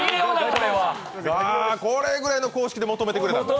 これぐらいの公式で求めてくれたと。